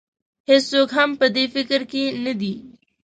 هېڅوک هم په دې فکر کې نه دی.